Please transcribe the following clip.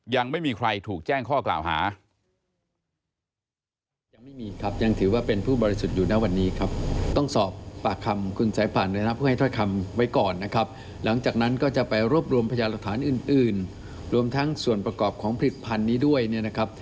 ยังไม่มีใครถูกแจ้งข้อกล่าวหา